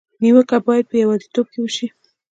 نیوکه باید په یوازېتوب کې وشي.